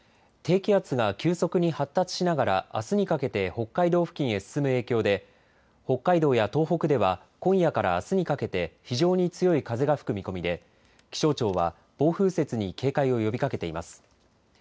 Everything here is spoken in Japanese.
低気圧が急速に発達しながらあすにかけて北海道付近へ進む影響で北海道や東北では今夜からあすにかけて非常に強い風が吹く見込みで気象庁は暴風雪に警戒を呼びかけています。